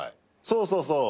そうそうそう。